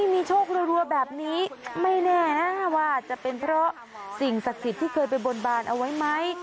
มีโชครัวแบบนี้ไม่แน่นะว่าจะเป็นเพราะสิ่งศักดิ์สิทธิ์ที่เคยไปบนบานเอาไว้ไหม